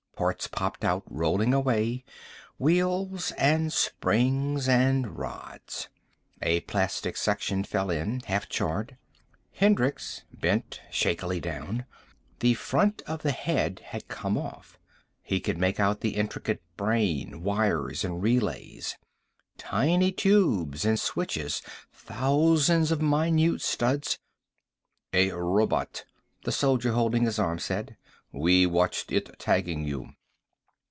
Parts popped out, rolling away, wheels and springs and rods. A plastic section fell in, half charred. Hendricks bent shakily down. The front of the head had come off. He could make out the intricate brain, wires and relays, tiny tubes and switches, thousands of minute studs "A robot," the soldier holding his arm said. "We watched it tagging you."